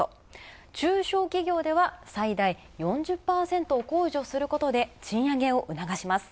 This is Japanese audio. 中小企業では最大４０％を控除することで、賃上げをうながします